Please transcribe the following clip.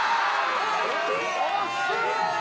惜しい！